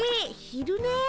ひるね？